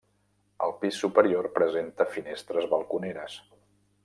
El pis superior presenta finestres balconeres.